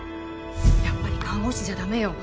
やっぱり看護師じゃダメよ